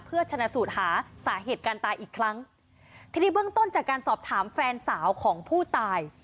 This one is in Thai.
เพื่อชนะสูตรหาสาเหตุการตายอีกครั้งทีนี้เบื้องต้นจากการสอบถามแฟนสาวของผู้ตาย